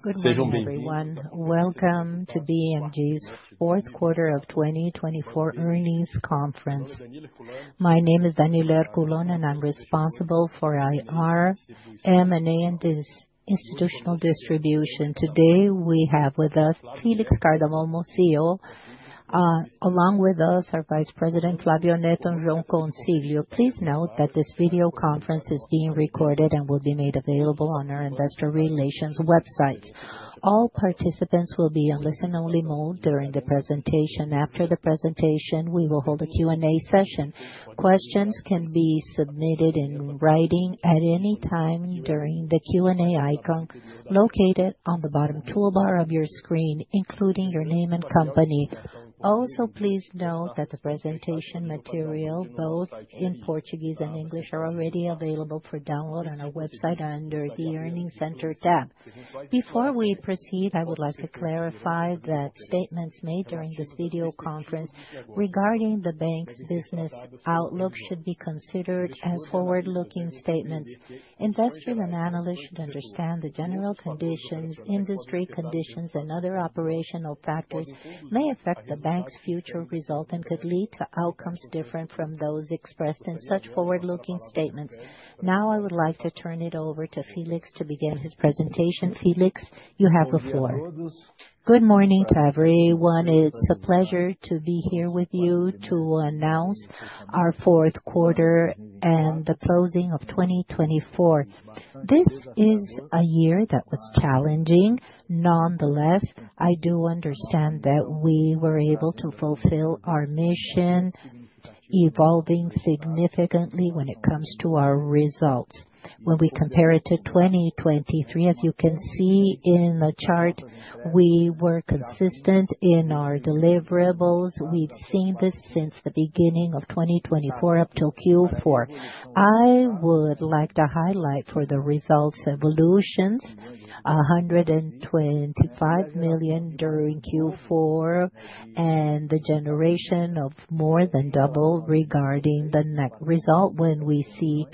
Good morning, everyone. Welcome to BMG's Q4 of 2024 Earnings Conference. My name is Daniela Herculano, and I'm responsible for IR, M&A, and institutional distribution. Today, we have with us Felix Cardamone, our CEO. Along with us are Vice President Flávio Neto and João Consiglio. Please note that this video conference is being recorded and will be made available on our investor relations websites. All participants will be in listen-only mode during the presentation. After the presentation, we will hold a Q&A session. Questions can be submitted in writing at any time during the Q&A icon located on the bottom toolbar of your screen, including your name and company. Also, please note that the presentation material, both in Portuguese and English, is already available for download on our website under the Earnings Center tab. Before we proceed, I would like to clarify that statements made during this video conference regarding the bank's business outlook should be considered as forward-looking statements. Investors and analysts should understand the general conditions, industry conditions, and other operational factors that may affect the bank's future result and could lead to outcomes different from those expressed in such forward-looking statements. Now, I would like to turn it over to Felix to begin his presentation. Felix, you have the floor. Good morning to everyone. It's a pleasure to be here with you to announce our Q4 and the closing of 2024. This is a year that was challenging. Nonetheless, I do understand that we were able to fulfill our mission, evolving significantly when it comes to our results. When we compare it to 2023, as you can see in the chart, we were consistent in our deliverables. We've seen this since the beginning of 2024 up till Q4. I would like to highlight the results evolutions: $125 million during Q4 and the generation of more than double regarding the net result. When we see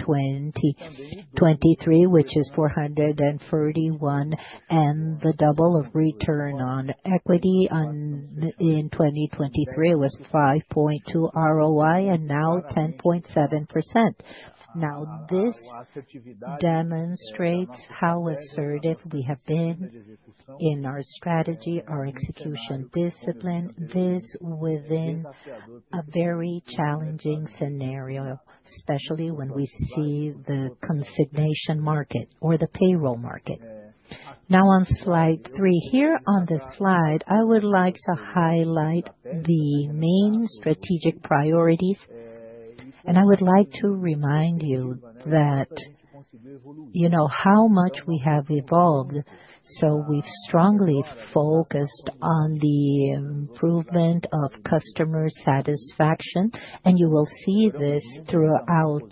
2023, which is $431 million and the double of return on equity in 2023, it was 5.2% ROI and now 10.7%. This demonstrates how assertive we have been in our strategy, our execution discipline. This within a very challenging scenario, especially when we see the consignment market or the payroll market. Now, on slide three here on the slide, I would like to highlight the main strategic priorities, and I would like to remind you that you know how much we have evolved. We've strongly focused on the improvement of customer satisfaction, and you will see this throughout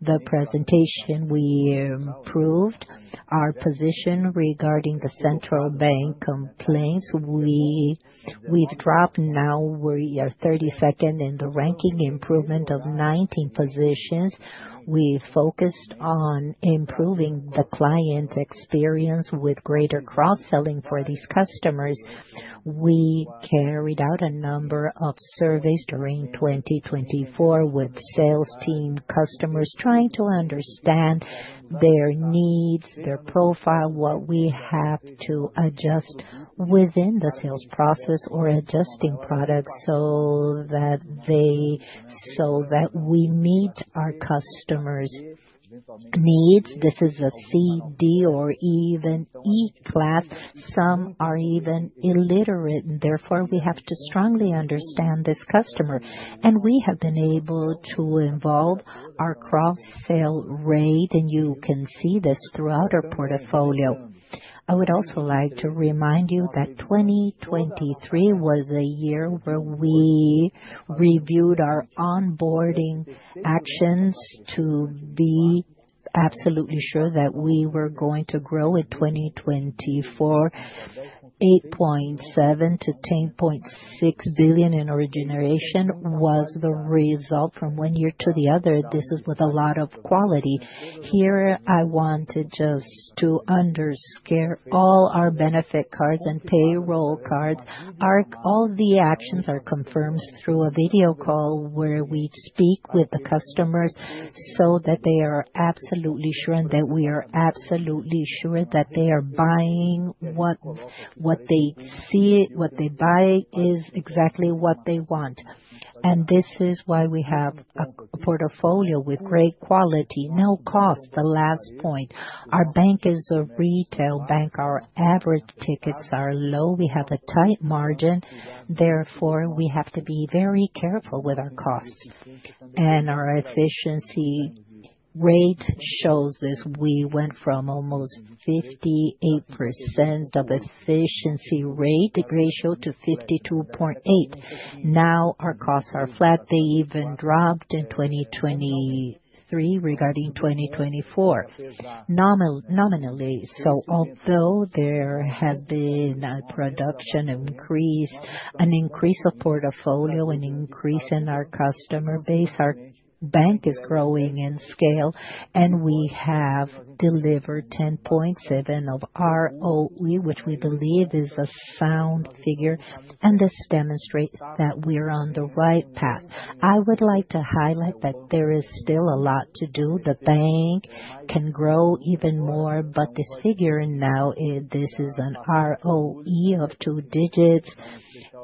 the presentation. We improved our position regarding the central bank complaints. We've dropped; now we are 32nd in the ranking, improvement of 19 positions. We focused on improving the client experience with greater cross-selling for these customers. We carried out a number of surveys during 2024 with sales team customers trying to understand their needs, their profile, what we have to adjust within the sales process or adjusting products so that we meet our customers' needs. This is a C, D, or even E class. Some are even illiterate, and therefore we have to strongly understand this customer. We have been able to improve our cross-sale rate, and you can see this throughout our portfolio. I would also like to remind you that 2023 was a year where we reviewed our onboarding actions to be absolutely sure that we were going to grow in 2024. $8.7 to 10.6 billion in origination was the result from one year to the other. This is with a lot of quality. Here, I wanted just to underscore all our benefit cards and payroll cards. All the actions are confirmed through a video call where we speak with the customers so that they are absolutely sure and that we are absolutely sure that they are buying what they see, what they buy is exactly what they want. This is why we have a portfolio with great quality, no cost. The last point, our bank is a retail bank. Our average tickets are low. We have a tight margin. Therefore, we have to be very careful with our costs. Our efficiency rate shows this. We went from almost 58% of efficiency rate ratio to 52.8%. Now our costs are flat. They even dropped in 2023 regarding 2024 nominally. Although there has been a production increase, an increase of portfolio, an increase in our customer base, our bank is growing in scale, and we have delivered 10.7% of ROE, which we believe is a sound figure. This demonstrates that we are on the right path. I would like to highlight that there is still a lot to do. The bank can grow even more, but this figure now, this is an ROE of two digits,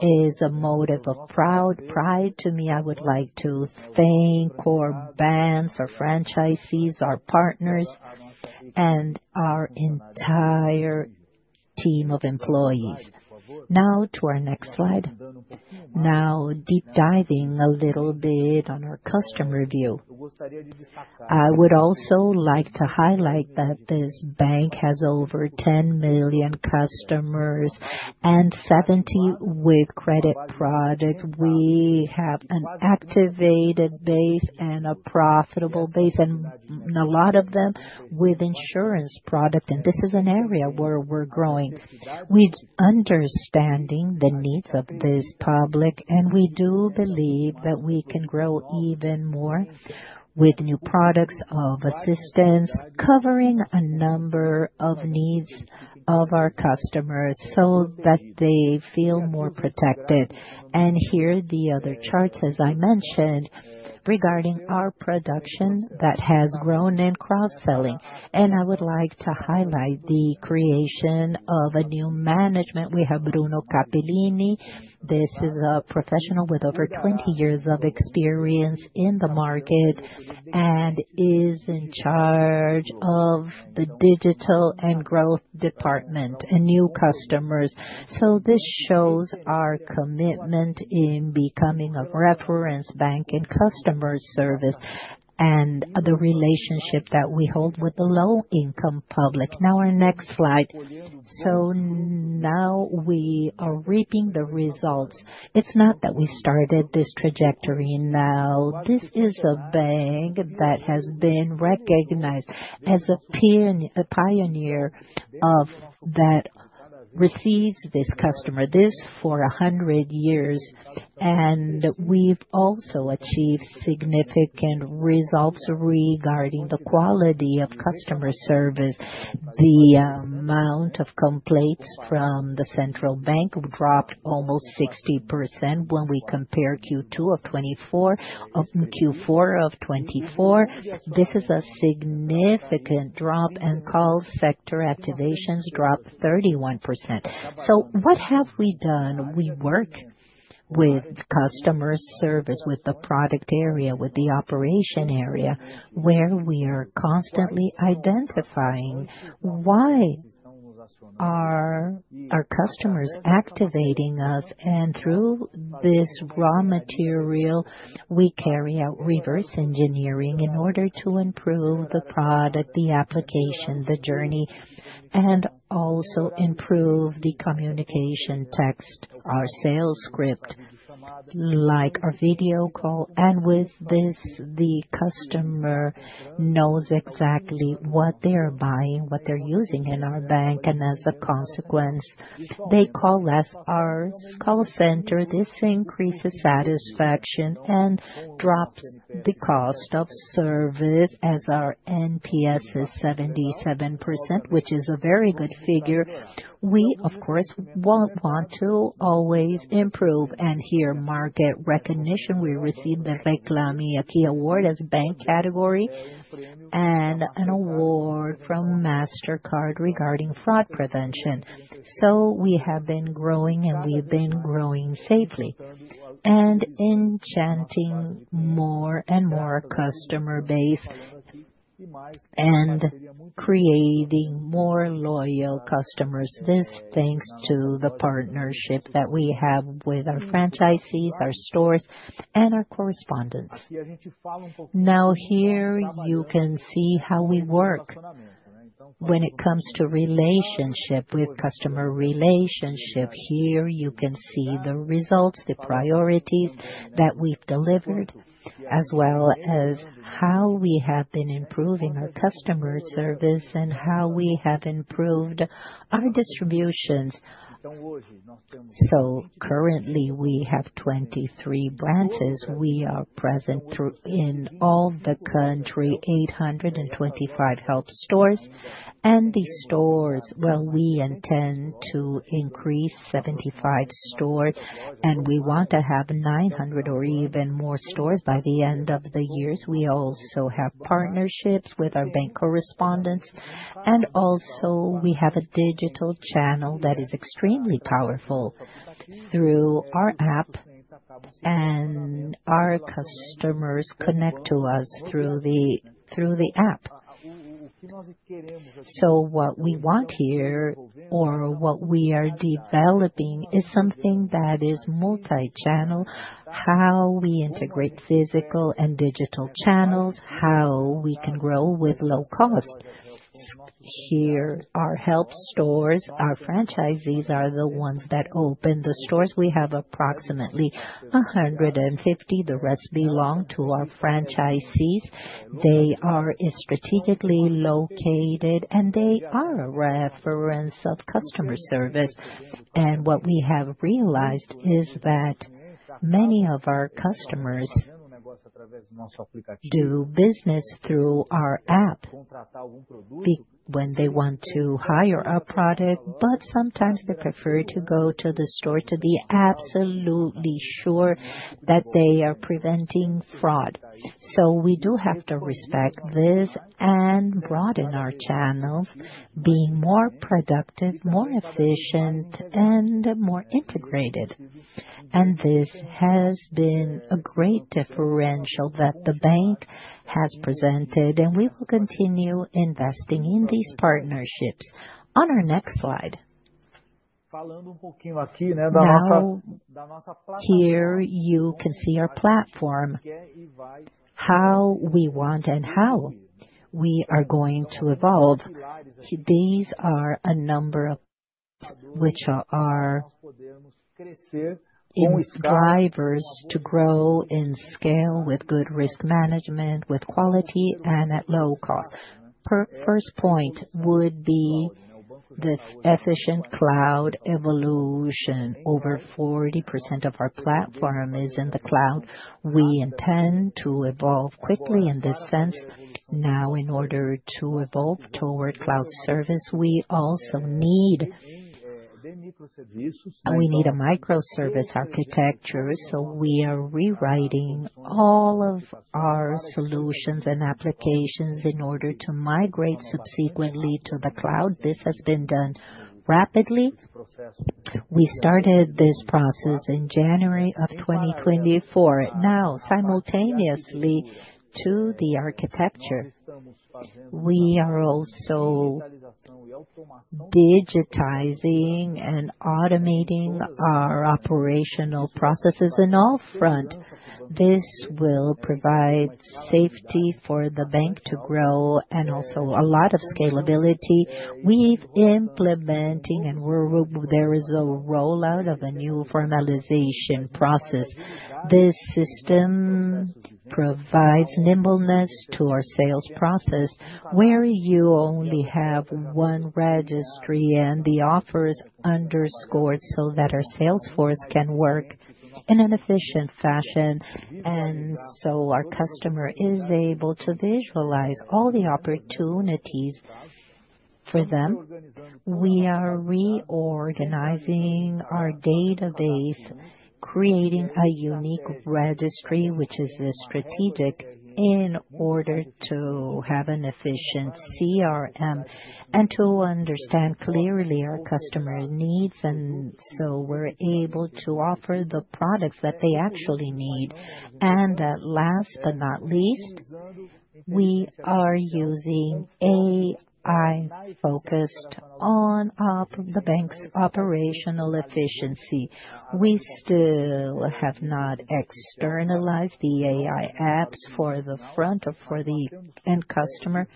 is a motive of pride to me. I would like to thank our brands, our franchisees, our partners, and our entire team of employees. Now to our next slide. Deep diving a little bit on our customer review, I would also like to highlight that this bank has over 10 million customers and 70% with credit products. We have an activated base and a profitable base, and a lot of them with insurance products. This is an area where we're growing. We're understanding the needs of this public, and we do believe that we can grow even more with new products of assistance covering a number of needs of our customers so that they feel more protected. Here are the other charts, as I mentioned, regarding our production that has grown in cross-selling. I would like to highlight the creation of a new management. We have Bruno Capellini. This is a professional with over 20 years of experience in the market and is in charge of the digital and growth department and new customers. This shows our commitment in becoming a reference bank in customer service and the relationship that we hold with the low-income public. Now we are reaping the results. It's not that we started this trajectory now. This is a bank that has been recognized as a pioneer that receives this customer for 100 years. We've also achieved significant results regarding the quality of customer service. The amount of complaints from the central bank dropped almost 60% when we compare Q2 of 2024. In Q4 of 2024, this is a significant drop, and call center activations dropped 31%. So what have we done? We work with customer service, with the product area, with the operation area, where we are constantly identifying why our customers are contacting us. And through this raw material, we carry out reverse engineering in order to improve the product, the application, the journey, and also improve the communication text, our sales script, like our video call. And with this, the customer knows exactly what they are buying, what they're using in our bank. And as a consequence, they call our call center less. This increases satisfaction and drops the cost of service. As our NPS is 77%, which is a very good figure, we, of course, want to always improve. Here, market recognition, we received the Reclame Aqui Award as bank category and an award from Mastercard regarding fraud prevention. We have been growing, and we've been growing safely and enchanting more and more customer base and creating more loyal customers. This thanks to the partnership that we have with our franchisees, our stores, and our correspondents. Here you can see how we work when it comes to relationship with customer relationship. Here you can see the results, the priorities that we've delivered, as well as how we have been improving our customer service and how we have improved our distributions. Currently, we have 23 branches. We are present in all the country, 825 help! stores. The stores, well, we intend to increase 75 stores, and we want to have 900 or even more stores by the end of the year. We also have partnerships with our bank correspondents, and also we have a digital channel that is extremely powerful through our app, and our customers connect to us through the app. So what we want here, or what we are developing, is something that is multi-channel, how we integrate physical and digital channels, how we can grow with low cost. Here, our help stores, our franchisees are the ones that open the stores. We have approximately 150. The rest belong to our franchisees. They are strategically located, and they are a reference of customer service. What we have realized is that many of our customers do business through our app when they want to hire a product, but sometimes they prefer to go to the store to be absolutely sure that they are preventing fraud. We do have to respect this and broaden our channels, being more productive, more efficient, and more integrated. This has been a great differential that the bank has presented, and we will continue investing in these partnerships. On our next slide, here you can see our platform, how we want and how we are going to evolve. These are a number of drivers to grow in scale with good risk management, with quality and at low cost. First point would be this efficient cloud evolution. Over 40% of our platform is in the cloud. We intend to evolve quickly in this sense. In order to evolve toward cloud service, we also need a microservice architecture. We are rewriting all of our solutions and applications in order to migrate subsequently to the cloud. This has been done rapidly. We started this process in January of 2024. Now, simultaneously to the architecture, we are also digitizing and automating our operational processes on all fronts. This will provide safety for the bank to grow and also a lot of scalability. We're implementing, and there is a rollout of a new formalization process. This system provides nimbleness to our sales process, where you only have one registry and the offers are underscored so that our sales force can work in an efficient fashion and so our customer is able to visualize all the opportunities for them. We are reorganizing our database, creating a unique registry, which is strategic in order to have an efficient CRM and to understand clearly our customer needs and so we're able to offer the products that they actually need. Last but not least, we are using AI focused on the bank's operational efficiency. We still have not externalized the AI apps for the front or for the end customer.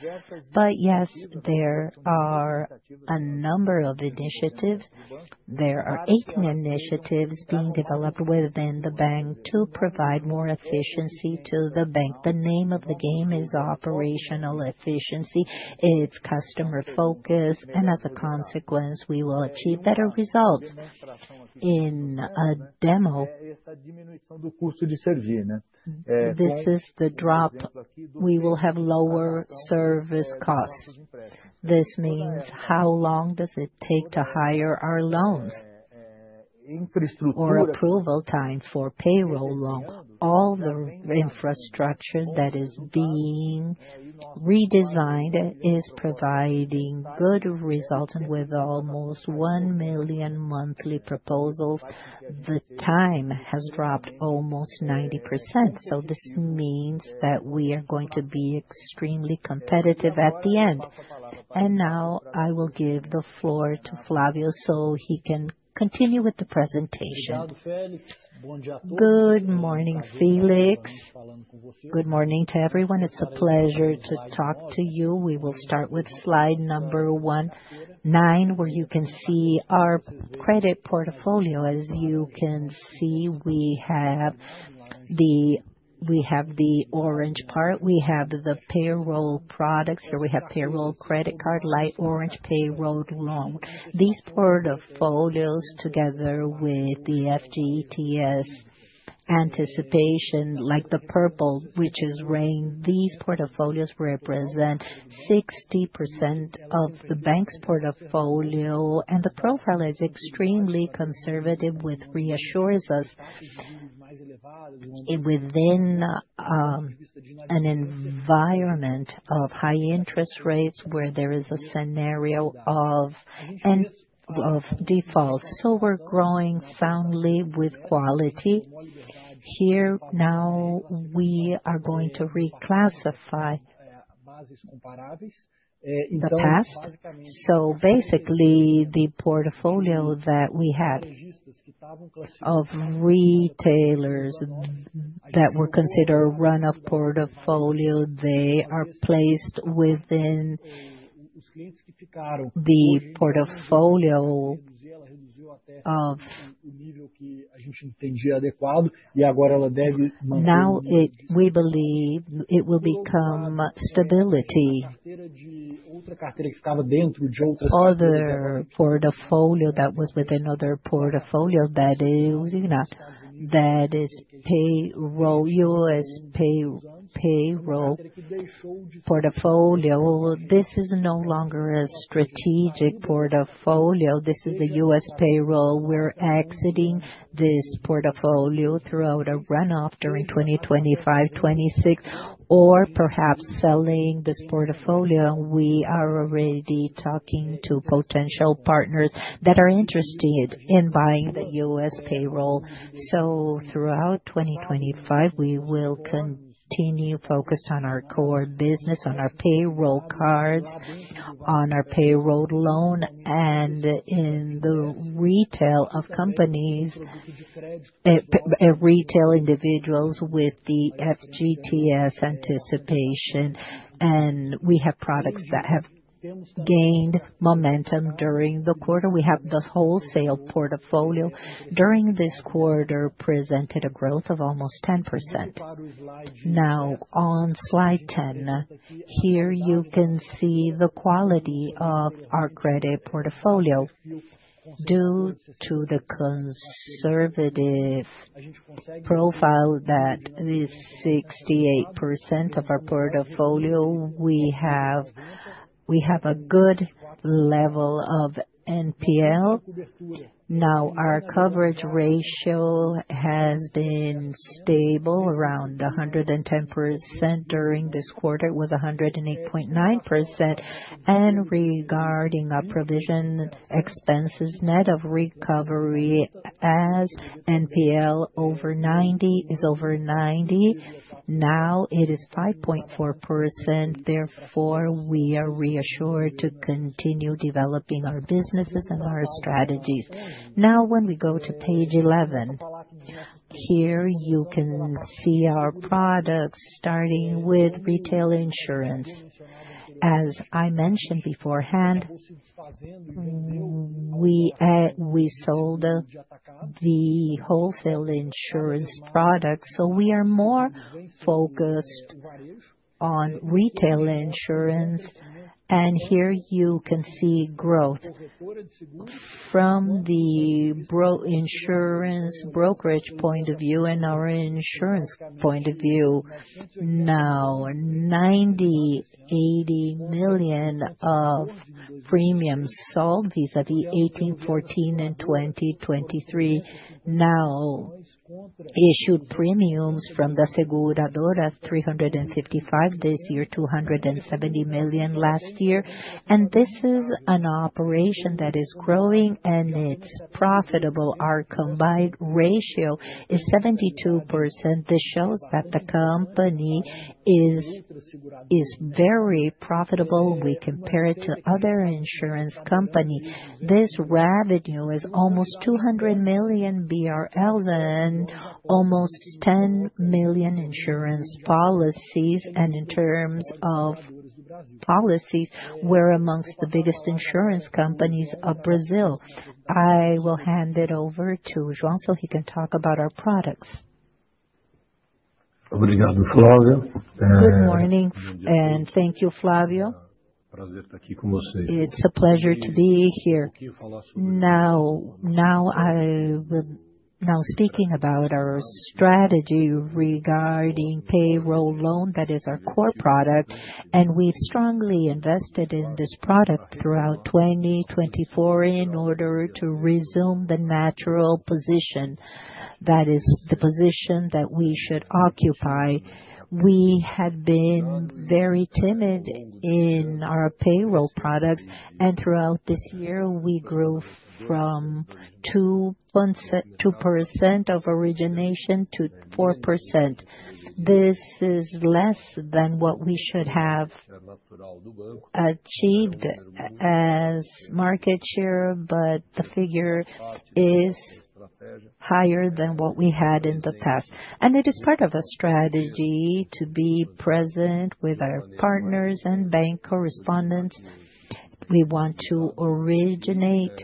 But yes, there are a number of initiatives. There are 18 initiatives being developed within the bank to provide more efficiency to the bank. The name of the game is operational efficiency. It's customer focus. As a consequence, we will achieve better results inadimplência. This is the drop. We will have lower service costs. This means how long does it take to hire our loans or approval time for payroll loans? All the infrastructure that is being redesigned is providing good results. With almost 1 million monthly proposals, the time has dropped almost 90%. This means that we are going to be extremely competitive at the end. I will give the floor to Flávio so he can continue with the presentation. Good morning, Felix. Good morning to everyone. It's a pleasure to talk to you. We will start with slide number 1-9, where you can see our credit portfolio. As you can see, we have the orange part. We have the payroll products. Here we have payroll, credit card, light orange, payroll loan. These portfolios, together with the FGTS anticipation, like the purple, which is green, these portfolios represent 60% of the bank's portfolio. The profile is extremely conservative, which reassures us within an environment of high interest rates where there is a scenario of default. We're growing soundly with quality. Here now we are going to reclassify the past. Basically, the portfolio that we had of retailers that were considered non-core portfolio, they are placed within the portfolio of. Now we believe it will become stable that was with another portfolio that is payroll, our payroll portfolio. This is no longer a strategic portfolio. This is the LOAS payroll. We're exiting this portfolio throughout a run-off during 2025-2026, or perhaps selling this portfolio. We are already talking to potential partners that are interested in buying the LOAS payroll. So throughout 2025, we will continue focused on our core business, on our payroll cards, on our payroll loan, and in the retail of companies, retail individuals with the FGTS anticipation. We have products that have gained momentum during the quarter. We have the wholesale portfolio during this quarter presented a growth of almost 10%. On slide 10, here you can see the quality of our credit portfolio due to the conservative profile that is 68% of our portfolio. We have a good level of NPL. Our coverage ratio has been stable around 110% during this quarter, it was 108.9%. Regarding our provision expenses net of recovery, as NPL over 90 is over 90, now it is 5.4%. Therefore, we are reassured to continue developing our businesses and our strategies. When we go to page 11, here you can see our products starting with retail insurance. As I mentioned beforehand, we sold the wholesale insurance products, so we are more focused on retail insurance. Here you can see growth from the insurance brokerage point of view and our insurance point of view. $90 million of premiums sold, these are the 18, 14, and 2023. Issued premiums from the Seguradora $355 million this year, $270 million last year. This is an operation that is growing and it's profitable. Our combined ratio is 72%. This shows that the company is very profitable. We compare it to other insurance companies. This revenue is almost 200 million BRL and almost 10 million insurance policies. In terms of policies, we're amongst the biggest insurance companies of Brazil. I will hand it over to João so he can talk about our products. Good morning and thank you, Flávio. It's a pleasure to be here. Speaking about our strategy regarding payroll loan, that is our core product, and we've strongly invested in this product throughout 2024 in order to resume the natural position, that is the position that we should occupy. We have been very timid in our payroll products, and throughout this year, we grew from 2% of origination to 4%. This is less than what we should have achieved as market share, but the figure is higher than what we had in the past. It is part of a strategy to be present with our partners and bank correspondents. We want to originate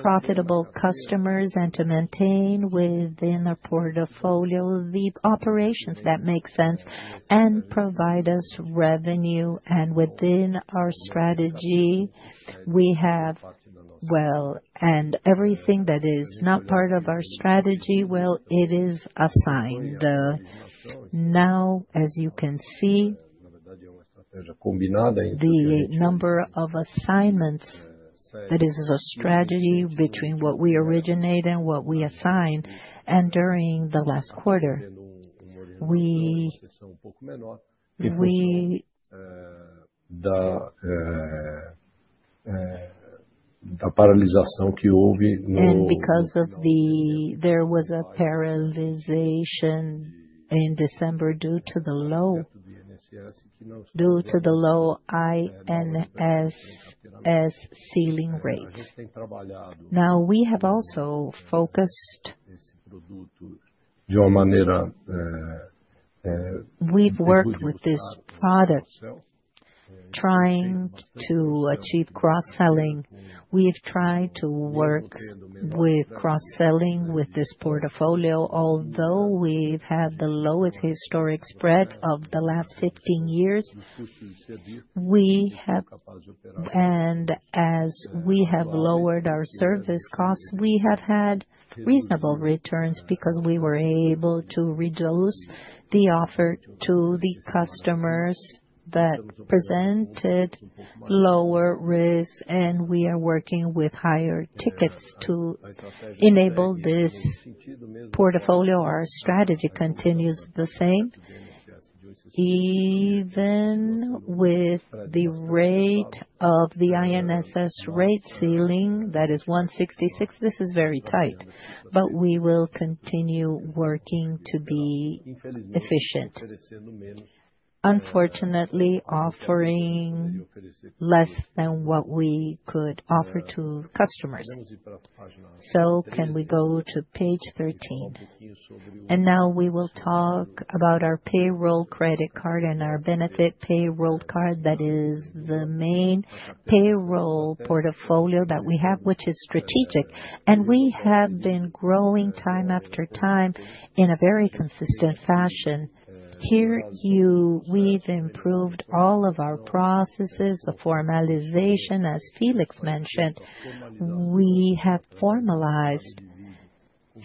profitable customers and to maintain within our portfolio the operations that make sense and provide us revenue. Within our strategy, we have, and everything that is not part of our strategy is assigned. Now, as you can see, the number of assignments, that is a strategy between what we originate and what we assign. During the last quarter, because of the paralyzation in December due to the low INSS ceiling rates, we have also focused with this product, trying to achieve cross-selling. We've tried to work with cross-selling with this portfolio. Although we've had the lowest historic spread of the last 15 years, and as we have lowered our service costs, we have had reasonable returns because we were able to reduce the offer to the customers that presented lower risk, and we are working with higher tickets to enable this portfolio. Our strategy continues the same. Even with the rate of the INSS rate ceiling, that is 1.66%, this is very tight, but we will continue working to be efficient. Unfortunately, offering less than what we could offer to customers. Can we go to page 13? Now we will talk about our payroll credit card and our benefit payroll card, that is the main payroll portfolio that we have, which is strategic. We have been growing time after time in a very consistent fashion. Here we've improved all of our processes, the formalization, as Felix mentioned. We have formalized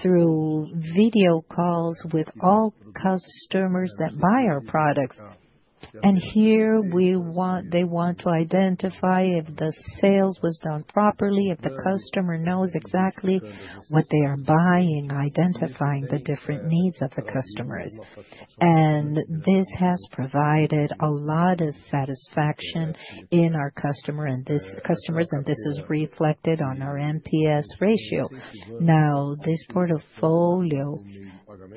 through video calls with all customers that buy our products. Here they want to identify if the sales was done properly, if the customer knows exactly what they are buying, identifying the different needs of the customers. This has provided a lot of satisfaction in our customers, and this is reflected on our NPS ratio. Now, this portfolio,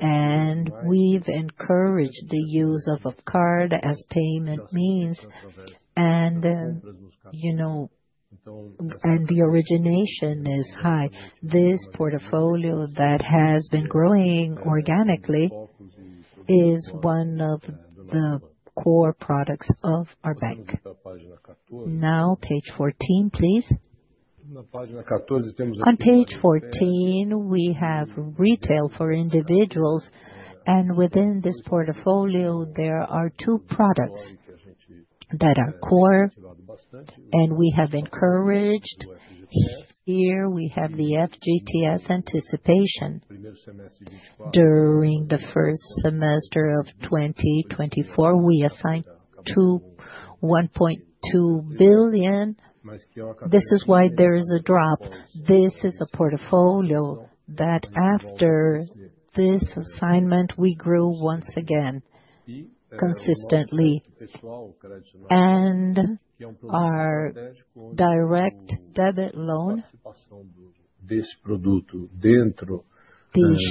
and we've encouraged the use of a card as payment means, and the origination is high. This portfolio that has been growing organically is one of the core products of our bank. Now, page 14, please. On page 14, we have retail for individuals, and within this portfolio, there are two products that are core, and we have encouraged. Here we have the FGTS anticipation. During the first semester of 2024, we assigned $1.2 billion. This is why there is a drop. This is a portfolio that after this assignment, we grew once again consistently. Our direct debit loan, the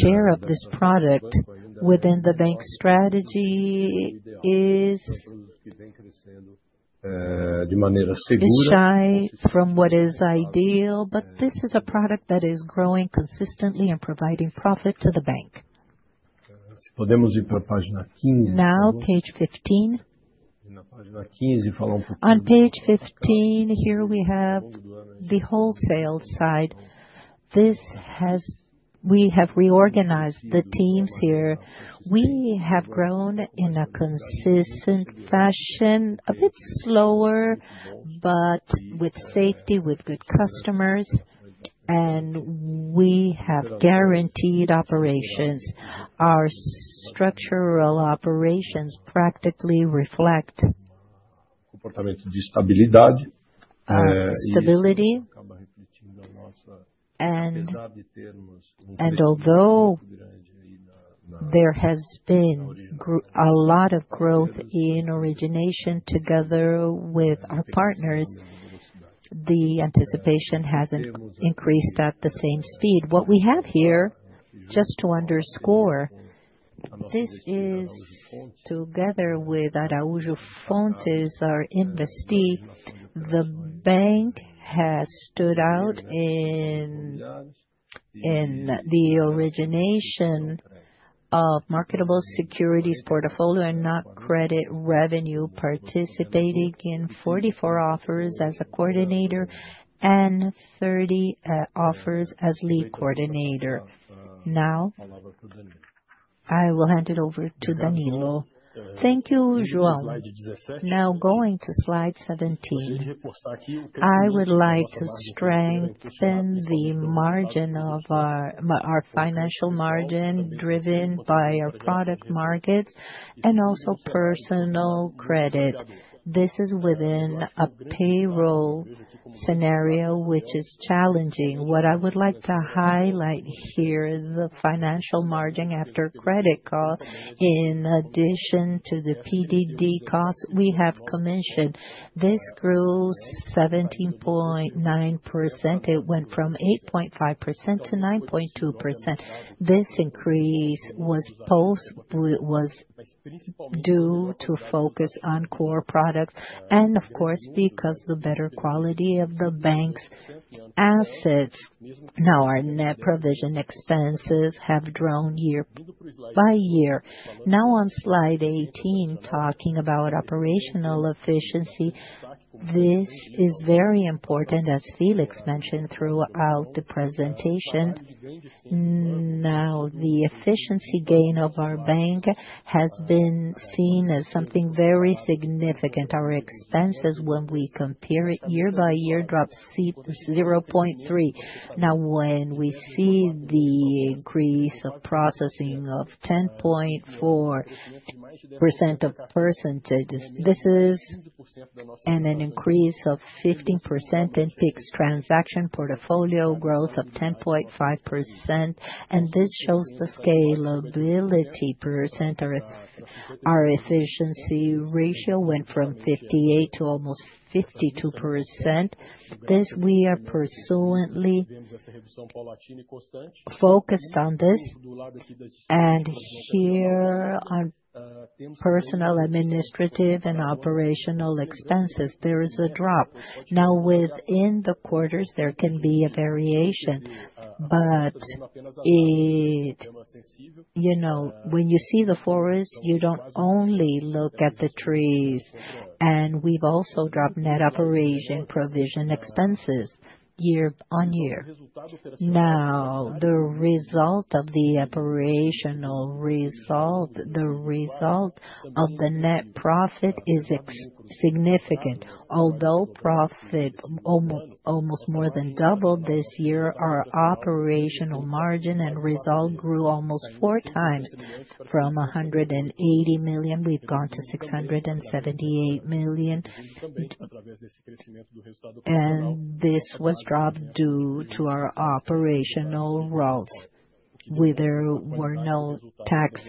share of this product within the bank strategy is shy from what is ideal, but this is a product that is growing consistently and providing profit to the bank. On page 15, here we have the wholesale side. We have reorganized the teams here. We have grown in a consistent fashion, a bit slower, but with safety, with good customers, and we have guaranteed operations. Our structural operations practically reflect, and although there has been a lot of growth in origination together with our partners, the anticipation hasn't increased at the same speed. What we have here, just to underscore, this is together with Araújo Fontes, our investee. The bank has stood out in the origination of marketable securities portfolio and not credit revenue, participating in 44 offers as a coordinator and 30 offers as lead coordinator. Now, I will hand it over to Daniela. Thank you, João. Now, going to slide 17, I would like to strengthen the margin of our financial margin driven by our product markets and also personal credit. This is within a payroll scenario, which is challenging. What I would like to highlight here, the financial margin after credit call, in addition to the PDD costs we have commissioned. This grew 17.9%. It went from 8.5% to 9.2%. This increase was due to focus on core products and, of course, because of the better quality of the bank's assets. Now, our net provision expenses have grown year by year. Now, on slide 18, talking about operational efficiency, this is very important, as Felix mentioned throughout the presentation. The efficiency gain of our bank has been seen as something very significant. Our expenses, when we compare it year by year, drop 0.3%. When we see the increase of processing of 10.4%, this is an increase of 15% in peak transaction portfolio growth of 10.5%, and this shows the scalability. Our efficiency ratio went from 58% to almost 52%. We are persistently focused on this, and here on personal administrative and operational expenses, there is a drop. Within the quarters, there can be a variation, but when you see the forest, you don't only look at the trees, and we've also dropped net operation provision expenses year-over-year. Now, the result of the operational result, the net profit result is significant. Although profit almost more than doubled this year, our operational margin and result grew almost four times. From $180 million, we've gone to $678 million, and this was driven by our operational roles, where there were no tax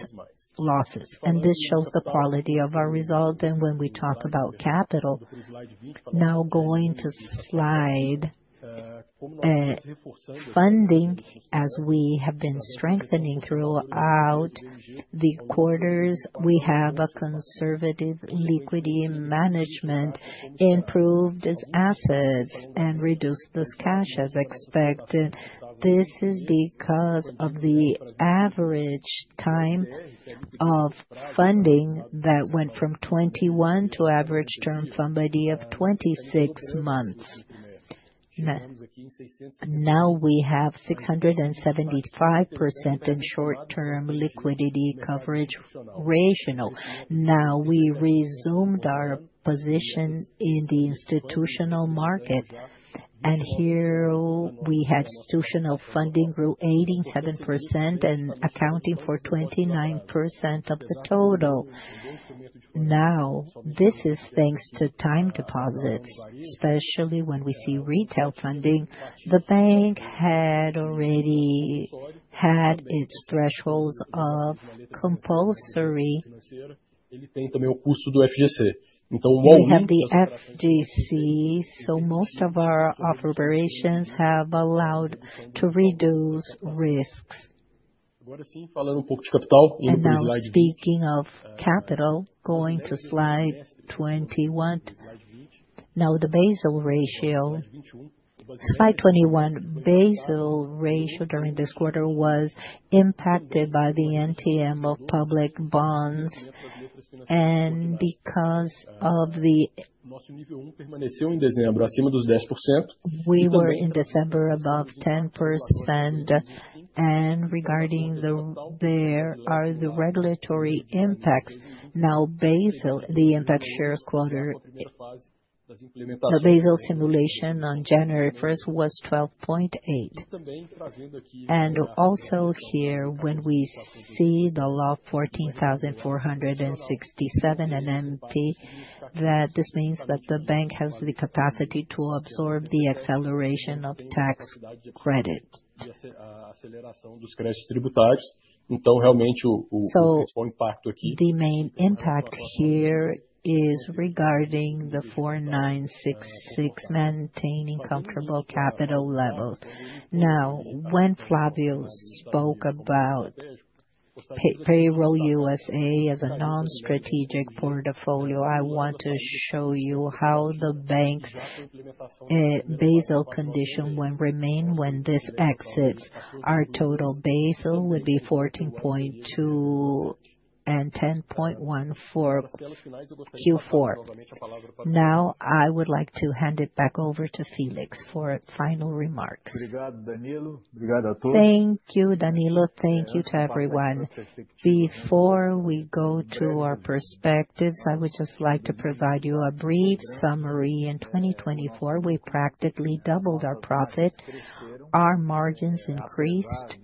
losses. This shows the quality of our result. When we talk about capital, now going to slide funding, as we have been strengthening throughout the quarters, we have a conservative liquidity management, improved assets, and reduced this cash as expected. This is because of the average time of funding that went from 21 to average term funding by the end of 26 months. Now we have 675% in short-term liquidity coverage ratio. Now we resumed our position in the institutional market, and here we had institutional funding grow 87% and accounting for 29% of the total. This is thanks to time deposits, especially when we see retail funding. The bank had already had its thresholds of compulsory. We have the FGC, so most of our operations have allowed to reduce risks. Speaking of capital, going to slide 21, the Basel ratio, slide 21, Basel ratio during this quarter was impacted by the MTM of public bonds, and because of that we were in December above 10%. Regarding the regulatory impacts, the impact shares quarter, the Basel simulation on 1 January was 12.8%. Also here, when we see the Law 14,467 MP, that means that the bank has the capacity to absorb the acceleration of tax credit. The main impact here is regarding the 4966 maintaining comfortable capital levels. When Flávio spoke about payroll USA as a non-strategic portfolio, I want to show you how the bank's Basel condition will remain when this exits. Our total Basel would be 14.2% and 10.1% for Q4. I would like to hand it back over to Felix for final remarks. Thank you, Daniela. Thank you to everyone. Before we go to our perspectives, I would just like to provide you a brief summary. In 2024, we practically doubled our profit. Our margins increased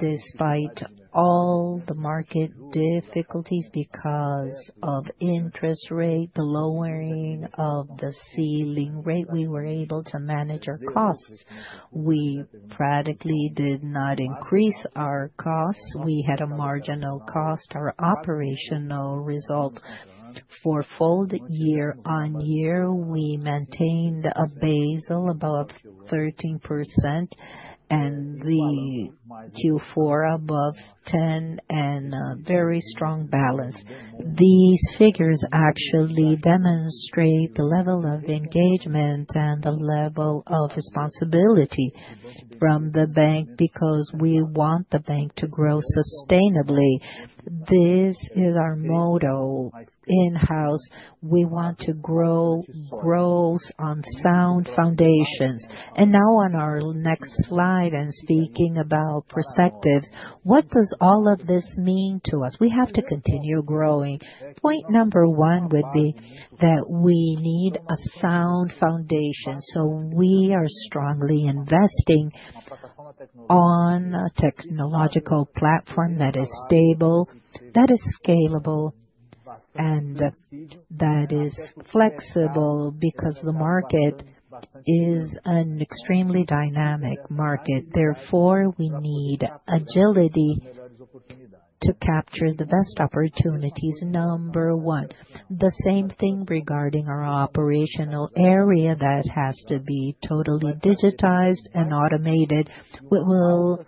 despite all the market difficulties because of interest rate, the lowering of the ceiling rate. We were able to manage our costs. We practically did not increase our costs. We had a marginal cost. Our operational result for full year-over-year, we maintained a Basel above 13% and the Q4 above 10% and a very strong balance. These figures actually demonstrate the level of engagement and the level of responsibility from the bank because we want the bank to grow sustainably. This is our motto in-house. We want to grow growth on sound foundations. Now on our next slide, speaking about perspectives, what does all of this mean to us? We have to continue growing. Point number one would be that we need a sound foundation. So we are strongly investing on a technological platform that is stable, that is scalable, and that is flexible because the market is an extremely dynamic market. Therefore, we need agility to capture the best opportunities, number one. The same thing regarding our operational area that has to be totally digitized and automated. It will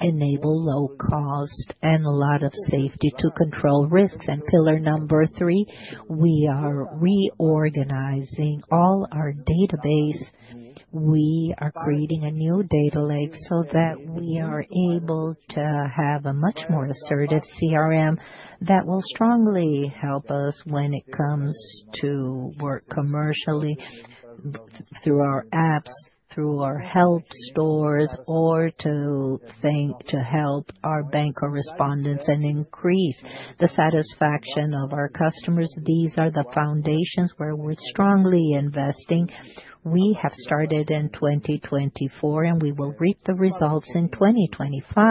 enable low cost and a lot of safety to control risks. Pillar number three, we are reorganizing all our database. We are creating a new data lake so that we are able to have a much more assertive CRM that will strongly help us when it comes to work commercially through our apps, through our help stores, or to help our bank correspondence and increase the satisfaction of our customers. These are the foundations where we're strongly investing. We have started in 2024, and we will reap the results in 2025.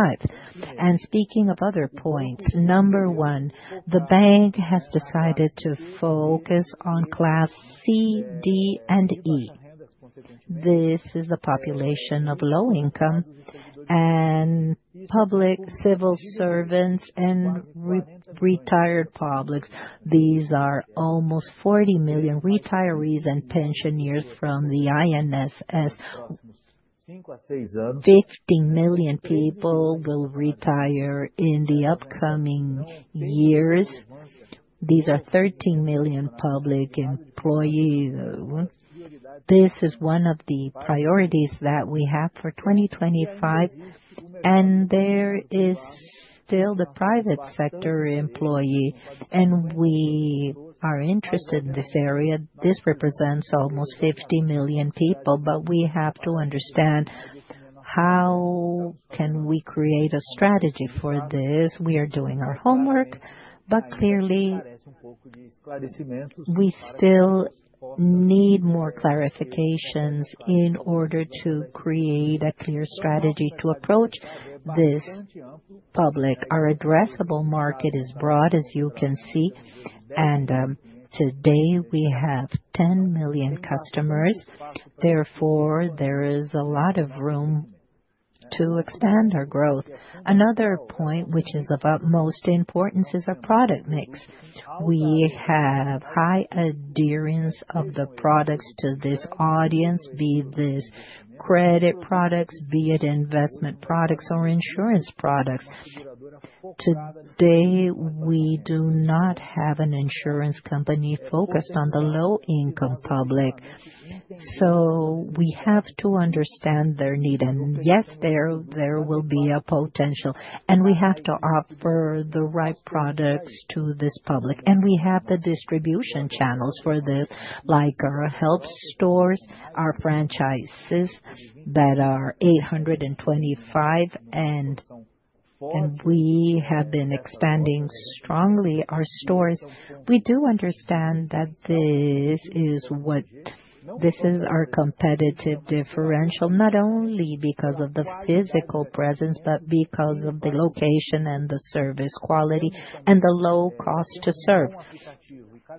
Speaking of other points, number one, the bank has decided to focus on class C, D, and E. This is the population of low income and public civil servants and retired publics. These are almost 40 million retirees and pensioners from the INSS. 50 million people will retire in the upcoming years. These are 13 million public employees. This is one of the priorities that we have for 2025. There is still the private sector employee, and we are interested in this area. This represents almost 50 million people, but we have to understand how we can create a strategy for this. We are doing our homework, but clearly we still need more clarifications in order to create a clear strategy to approach this public. Our addressable market is broad, as you can see, and today we have 10 million customers. Therefore, there is a lot of room to expand our growth. Another point, which is of utmost importance, is our product mix. We have high adherence of the products to this audience, be it credit products, be it investment products, or insurance products. Today, we do not have an insurance company focused on the low-income public. We have to understand their need. Yes, there will be a potential, and we have to offer the right products to this public. We have the distribution channels for this, like our help stores, our franchises that are 825, and we have been expanding strongly our stores. We do understand that this is our competitive differential, not only because of the physical presence, but because of the location and the service quality and the low cost to serve.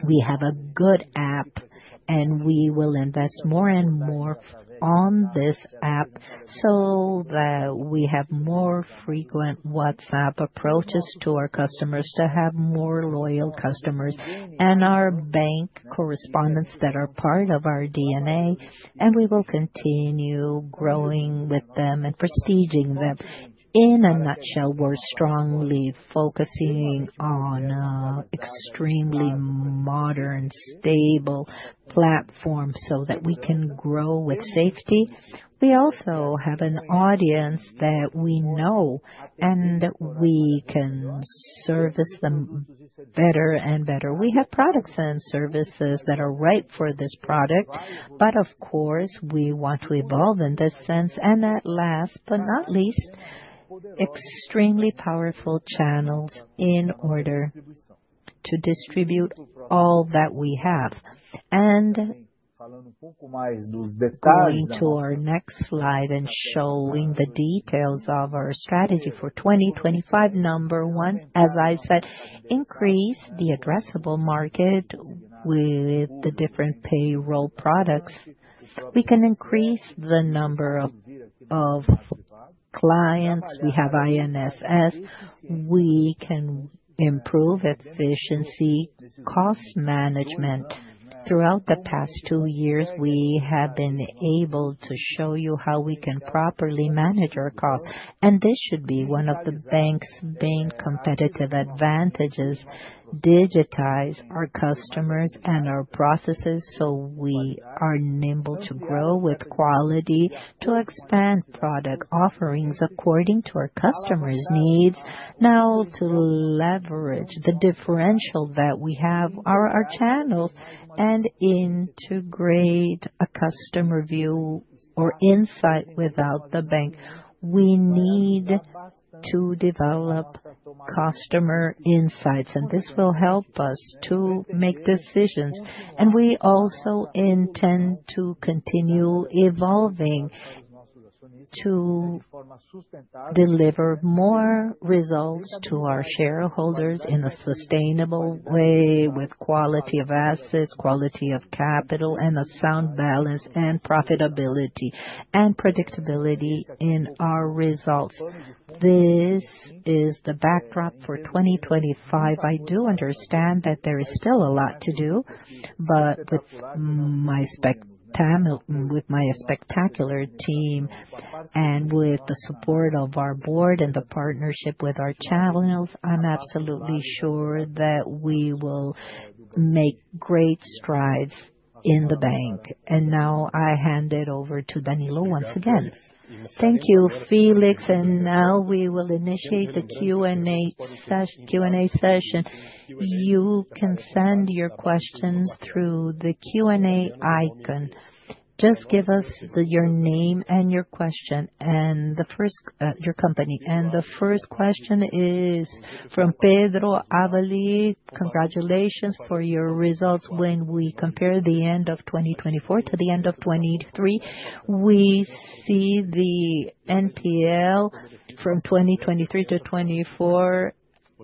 We have a good app, and we will invest more and more on this app so that we have more frequent WhatsApp approaches to our customers to have more loyal customers and our bank correspondents that are part of our DNA. We will continue growing with them and prestiging them. In a nutshell, we're strongly focusing on an extremely modern, stable platform so that we can grow with safety. We also have an audience that we know, and we can service them better and better. We have products and services that are right for this product, but of course, we want to evolve in this sense. At last, but not least, extremely powerful channels in order to distribute all that we have. Moving to our next slide and showing the details of our strategy for 2025, number one. As I said, increase the addressable market with the different payroll products. We can increase the number of clients. We have INSS. We can improve efficiency, cost management. Throughout the past two years, we have been able to show you how we can properly manage our costs. This should be one of the bank's main competitive advantages: digitize our customers and our processes so we are able to grow with quality, to expand product offerings according to our customers' needs. Now, to leverage the differential that we have, our channels, and integrate a customer view or insight within the bank, we need to develop customer insights, and this will help us to make decisions. We also intend to continue evolving to deliver more results to our shareholders in a sustainable way with quality of assets, quality of capital, and a sound balance and profitability and predictability in our results. This is the backdrop for 2025. I do understand that there is still a lot to do, but with my spectacular team and with the support of our board and the partnership with our channels, I'm absolutely sure that we will make great strides in the bank. Now I hand it over to Daniela once again. Thank you, Felix. Now we will initiate the Q&A session. You can send your questions through the Q&A icon. Just give us your name and your question and your company. The first question is from Pedro Leduc. Congratulations for your results. When we compare the end of 2024 to the end of 2023, we see the NPL from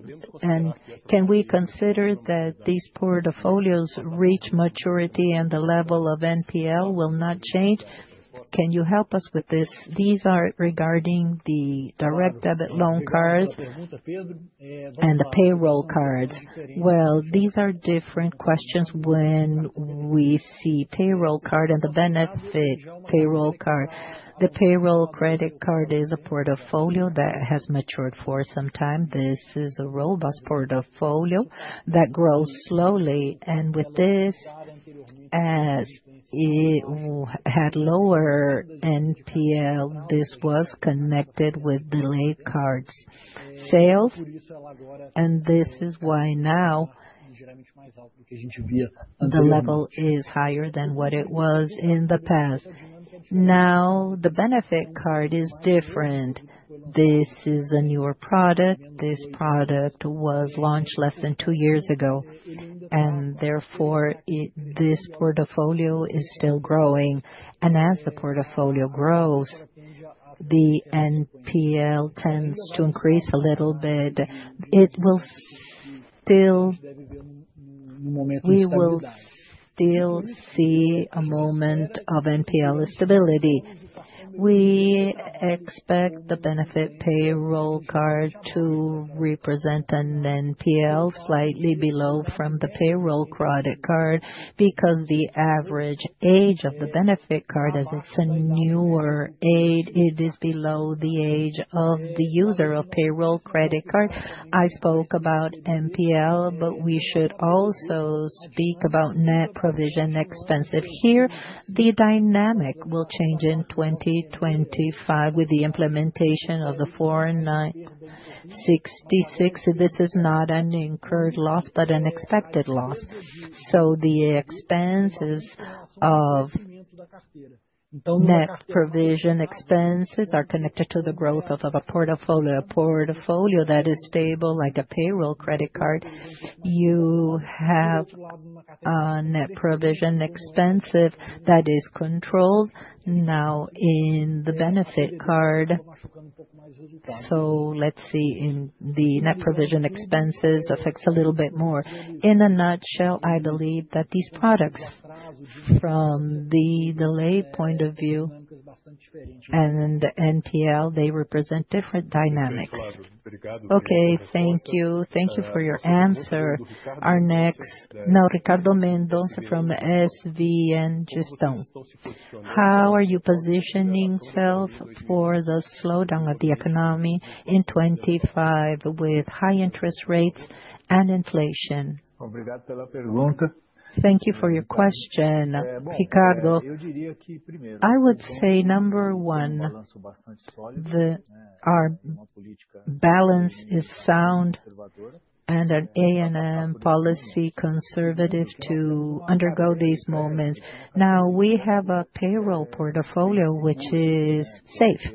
2023-2024. Can we consider that these portfolios reach maturity and the level of NPL will not change? Can you help us with this? These are regarding the direct debit loan cards and the payroll cards. These are different questions when we see payroll card and the benefit payroll card. The payroll credit card is a portfolio that has matured for some time. This is a robust portfolio that grows slowly. With this, as it had lower NPL, this was connected with delayed cards sales. This is why now the level is higher than what it was in the past. The benefit card is different. This is a newer product. This product was launched less than two years ago. Therefore, this portfolio is still growing. As the portfolio grows, the NPL tends to increase a little bit. It will still see a moment of NPL stability. We expect the benefit payroll card to represent an NPL slightly below from the payroll credit card because the average age of the benefit card, as it's a newer age, it is below the age of the user of payroll credit card. I spoke about NPL, but we should also speak about net provision expenses. Here, the dynamic will change in 2025 with the implementation of the 4966. This is not an incurred loss, but an expected loss. So the expenses of net provision expenses are connected to the growth of a portfolio, a portfolio that is stable like a payroll credit card. You have a net provision expense that is controlled. Now in the benefit card, let's see in the net provision expenses affects a little bit more. In a nutshell, I believe that these products from the delay point of view and the NPL, they represent different dynamics. Okay, thank you. Thank you for your answer. Our next. Now, Ricardo Mendonça from SVN Gestão. How are you positioning yourself for the slowdown of the economy in 2025 with high interest rates and inflation? Thank you for your question, Ricardo. I would say, number one, our balance is sound and an A&M policy conservative to undergo these moments. Now, we have a payroll portfolio, which is safe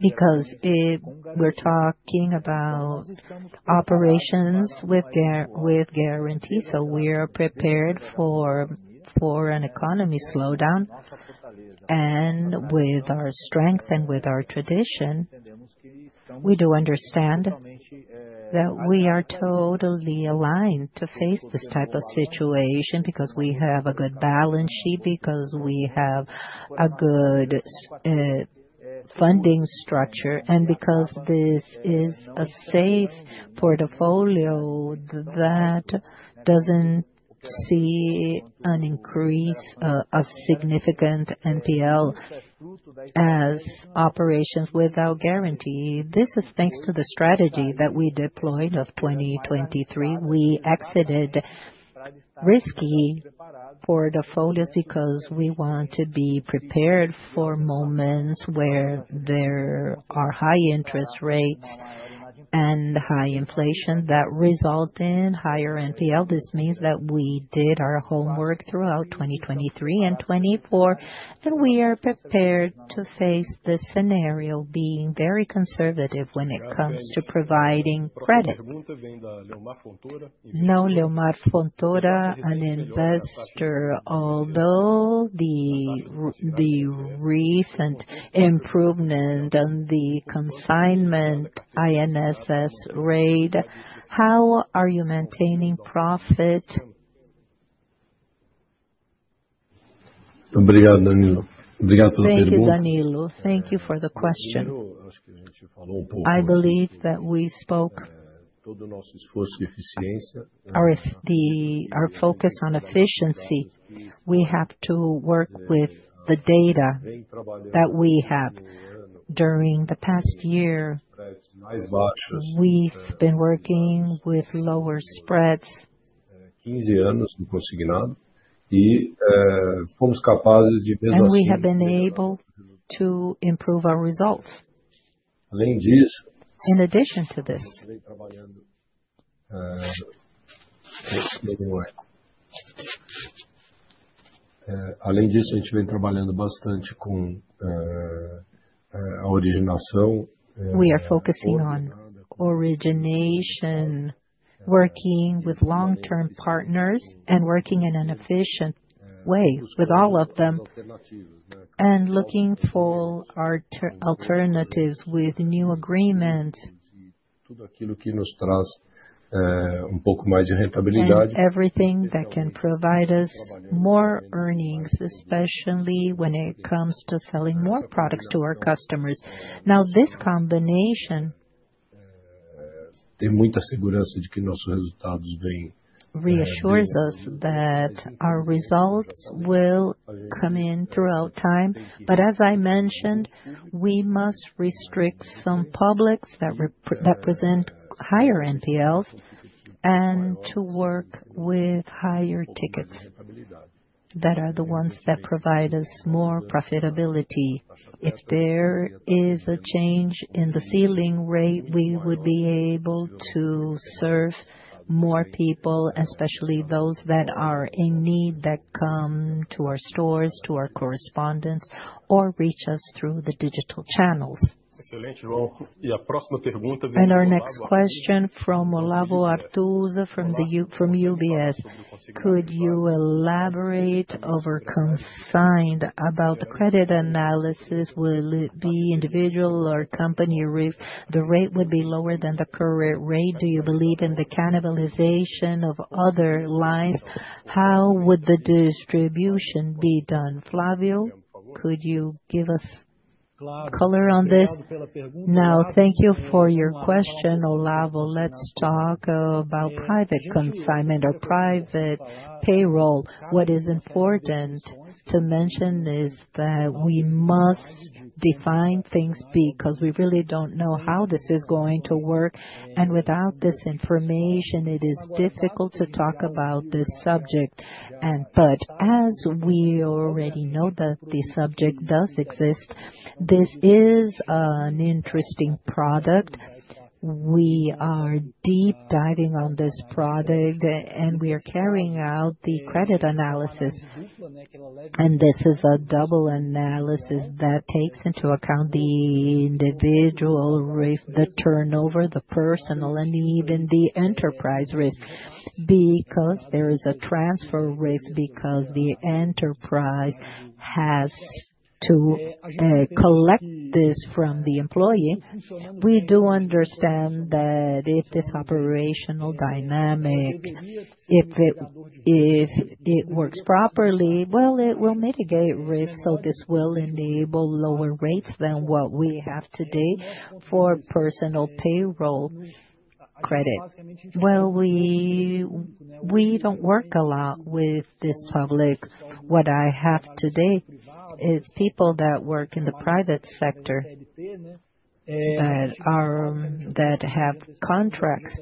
because we're talking about operations with guarantees. So we are prepared for an economy slowdown. With our strength and with our tradition, we do understand that we are totally aligned to face this type of situation because we have a good balance sheet, because we have a good funding structure, and because this is a safe portfolio that doesn't see an increase, a significant NPL as operations without guarantee. This is thanks to the strategy that we deployed in 2023. We exited risky portfolios because we want to be prepared for moments where there are high interest rates and high inflation that result in higher NPL. This means that we did our homework throughout 2023 and 2024, and we are prepared to face the scenario being very conservative when it comes to providing credit. Now, Leomar Fontoura, an investor. Although the recent improvement and the consignment INSS rate, how are you maintaining profit? Thank you, Daniela. Thank you for the question. I believe that we spoke our focus on efficiency. We have to work with the data that we have. During the past year, we've been working with lower spreads, and we have been able to improve our results. In addition to this, we are focusing on origination, working with long-term partners, and working in an efficient way with all of them, and looking for alternatives with new agreements. Everything that can provide us more earnings, especially when it comes to selling more products to our customers. Now, this combination reassures us that our results will come in throughout time. But as I mentioned, we must restrict some publics that represent higher NPLs and to work with higher tickets that are the ones that provide us more profitability. If there is a change in the ceiling rate, we would be able to serve more people, especially those that are in need, that come to our stores, to our correspondents, or reach us through the digital channels. Our next question from Olavo Arthuzo from UBS. Could you elaborate over consigned about the credit analysis? Will it be individual or company risk? The rate would be lower than the current rate. Do you believe in the cannibalization of other lines? How would the distribution be done? Flavio, could you give us color on this? Thank you for your question, Olavo. Let's talk about private consignment or private payroll. What is important to mention is that we must define things because we really don't know how this is going to work. Without this information, it is difficult to talk about this subject. As we already know that the subject does exist, this is an interesting product. We are deep diving on this product, and we are carrying out the credit analysis. This is a double analysis that takes into account the individual risk, the turnover, the personal, and even the enterprise risk. Because there is a transfer risk, because the enterprise has to collect this from the employee. We do understand that if this operational dynamic works properly, it will mitigate risk. This will enable lower rates than what we have today for personal payroll credit. We don't work a lot with this public. What I have today is people that work in the private sector that have contracts.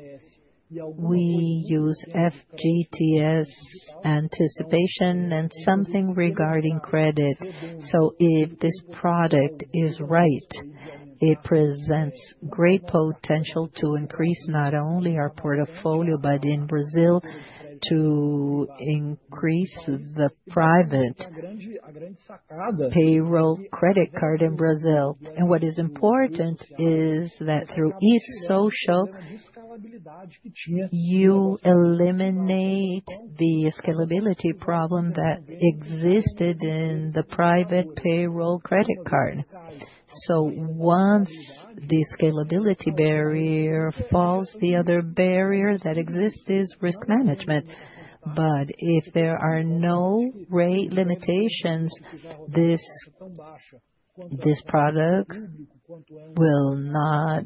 We use FGTS anticipation and something regarding credit. If this product is right, it presents great potential to increase not only our portfolio, but in Brazil, to increase the private payroll credit card in Brazil. What is important is that through eSocial, you eliminate the scalability problem that existed in the private payroll credit card. Once the scalability barrier falls, the other barrier that exists is risk management. But if there are no rate limitations, this product will not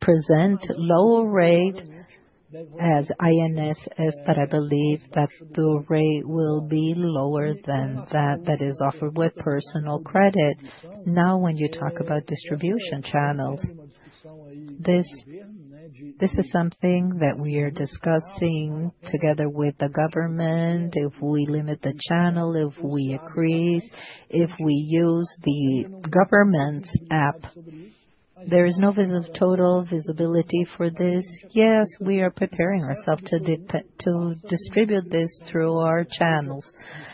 present lower rate as INSS, but I believe that the rate will be lower than that that is offered with personal credit. When you talk about distribution channels, this is something that we are discussing together with the government. If we limit the channel, if we increase, if we use the government's app, there is no total visibility for this. Yes, we are preparing ourselves to distribute this through our channels.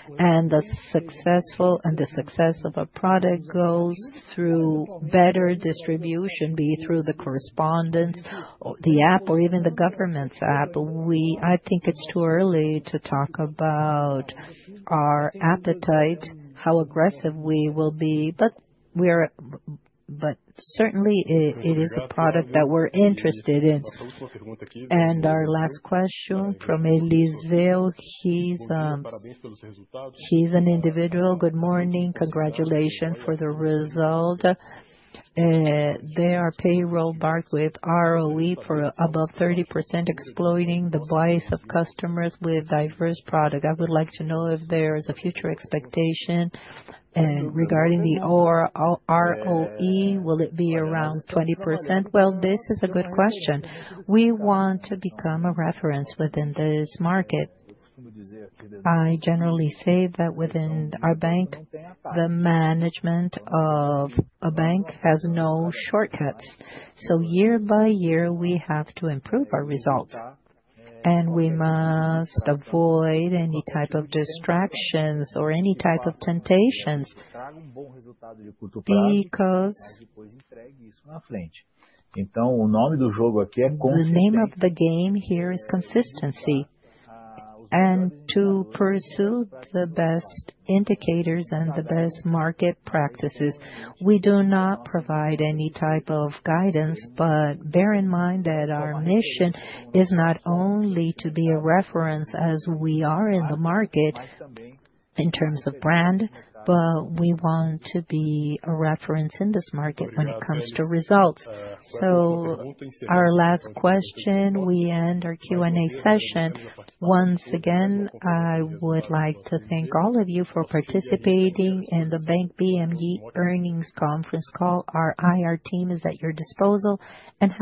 The success of a product goes through better distribution, be it through the correspondents, the app, or even the government's app. I think it's too early to talk about our appetite, how aggressive we will be. But certainly, it is a product that we're interested in. Our last question from Eliseu. He's an individual. Good morning. Congratulations for the result. They are payroll, benchmark, with ROE for above 30%, exploiting the bias of customers with diverse products. I would like to know if there is a future expectation. Regarding the ROE, will it be around 20%? This is a good question. We want to become a reference within this market. I generally say that within our bank, the management of a bank has no shortcuts. So year by year, we have to improve our results. We must avoid any type of distractions or any type of temptations because the name of the game here is consistency. To pursue the best indicators and the best market practices, we do not provide any type of guidance. But bear in mind that our mission is not only to be a reference as we are in the market in terms of brand, but we want to be a reference in this market when it comes to results. So our last question, we end our Q&A session. Once again, I would like to thank all of you for participating in the Bank BMG earnings conference call. Our IR team is at your disposal.